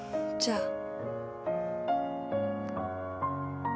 じゃあ。